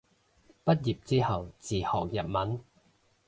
畢業之後自學日文